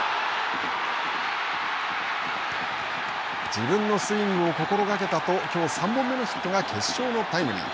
自分のスイングを心がけたときょう３本目のヒットが決勝のタイムリー。